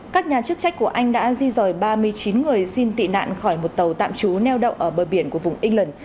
các nhà chức trách của anh đã di dòi ba mươi chín người xin tị nạn khỏi một tàu tạm trú neo đậu ở bờ biển của vùng england